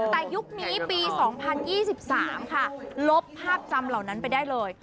แต่ยุคนี้ปี๒๐๒๓ค่ะลบภาพจำเหล่านั้นไปได้เลย